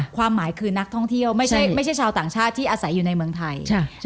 ความหมายคือนักท่องเที่ยวไม่ใช่ชาวต่างชาติที่อาศัยอยู่ในเมืองไทย